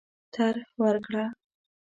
طرح ورکړه.